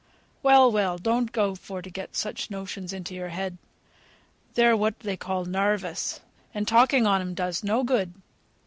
"Well, well, don't go for to get such notions into your head; they're what they call 'narvous,' and talking on 'em does no good.